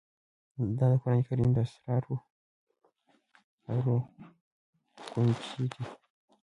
دا د قرآن کريم د اسرارو كونجي ده